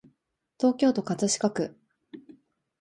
東京都葛飾区